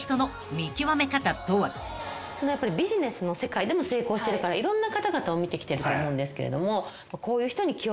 ビジネスの世界でも成功してるからいろんな方々を見てきてると思うんですけれども。